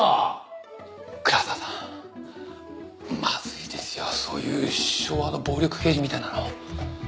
まずいですよそういう昭和の暴力刑事みたいなの。